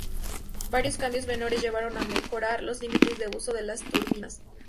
Varios cambios menores llevaron a mejorar los límites de uso de las turbinas.